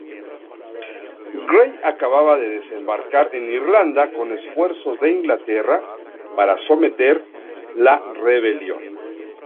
Grey acababa de desembarcar en Irlanda con refuerzos de Inglaterra para someter la rebelión.